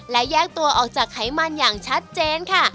และแยกตัวออกจากไขมันอย่างชัดเจนค่ะ